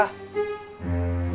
atau kerja lagi